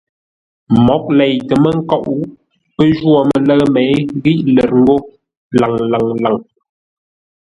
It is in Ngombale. Mǒghʼ lei tə mə́ kóʼ, pə́ jwô mələ̂ʉ měi ghíʼ lə̂r ńgó lâŋ-lâŋ-lâŋ.